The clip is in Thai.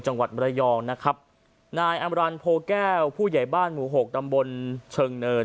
มรยองนะครับนายอำรันโพแก้วผู้ใหญ่บ้านหมู่หกตำบลเชิงเนิน